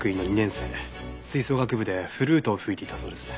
吹奏楽部でフルートを吹いていたそうですね。